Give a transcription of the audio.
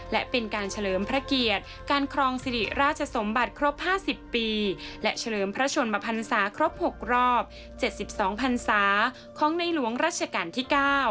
และเป็นการเฉลิมพระเกียรติการครองสิริราชสมบัติครบ๕๐ปีและเฉลิมพระชนมพันศาครบ๖รอบ๗๒พันศาของในหลวงรัชกาลที่๙